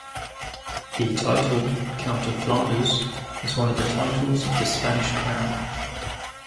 The title, Count of Flanders, is one of the titles of the Spanish Crown.